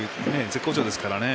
絶好調ですからね。